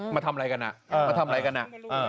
มาทำไล่กันมาทำอะไรกันนะ